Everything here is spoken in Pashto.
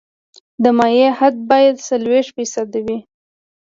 د مایع حد باید څلوېښت فیصده وي